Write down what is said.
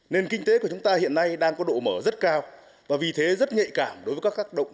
nền kinh tế của chúng ta hiện nay đang có độ mở rất cao và vì thế rất nhạy cảm đối với các tác động